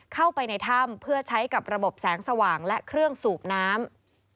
เข้าไปในถ้ำเพื่อใช้กับระบบแสงสว่างและเครื่องสูบน้ำ